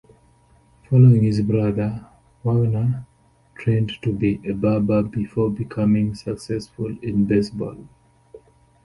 Following his brother, Wagner trained to be a barber before becoming successful in baseball.